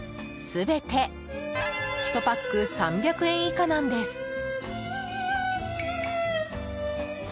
全て１パック３００円以下なんです。